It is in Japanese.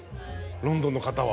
ロンドンの方は。